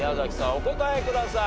お答えください。